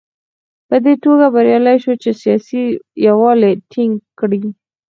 په دې توګه بریالی شو چې سیاسي یووالی ټینګ کړي.